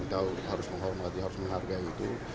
kita harus menghormati harus menghargai itu